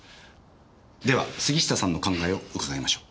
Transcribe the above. では杉下さんの考えを伺いましょう。